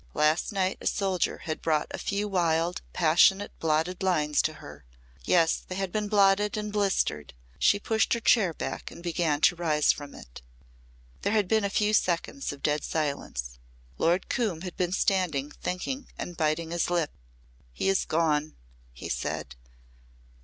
Last night a soldier had brought a few wild, passionate blotted lines to her. Yes, they had been blotted and blistered. She pushed her chair back and began to rise from it. There had been a few seconds of dead silence. Lord Coombe had been standing thinking and biting his lip. "He is gone!" he said.